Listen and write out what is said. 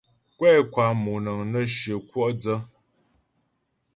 Kwɛ kwa moŋəŋ nə́ shyə kwɔ' dsə.